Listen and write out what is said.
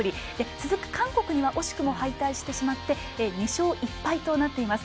続く韓国には惜しくも敗退してしまって２勝１敗となっています。